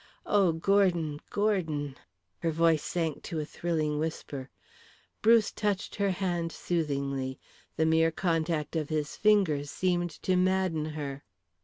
Oh, Gordon, Gordon!" Her voice sank to a thrilling whisper. Bruce touched her hand soothingly. The mere contact of his fingers seemed to madden her.